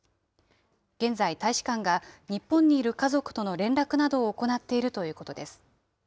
現在、大使館が日本にいる家族との連絡などを行っているということです。